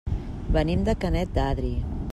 Venim de Canet d'Adri.